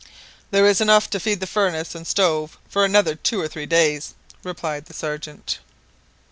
"There is enough to feed the furnace and stove for another two or three days," replied the Sergeant.